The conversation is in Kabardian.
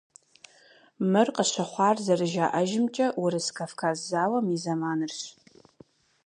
Мыр къыщыхъуар, зэрыжаӀэжымкӀэ, Урыс-Кавказ зауэм и зэманырщ.